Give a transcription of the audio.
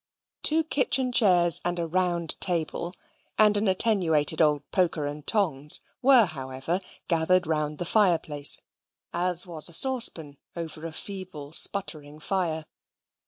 Two kitchen chairs, and a round table, and an attenuated old poker and tongs were, however, gathered round the fire place, as was a saucepan over a feeble sputtering fire.